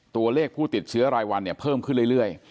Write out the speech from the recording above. ตัวเลขผู้ติดเชื้อรายวันเนี่ยเพิ่มขึ้นเรื่อย